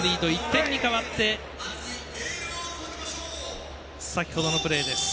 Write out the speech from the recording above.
１点に変わって先ほどのプレーです。